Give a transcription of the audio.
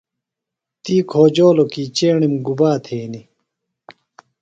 تی کھوجولو کی چیݨِم گُبا تھینی ۔